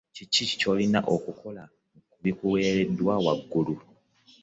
Kiki ky’olina okukola kubikuweereddwa waggulu?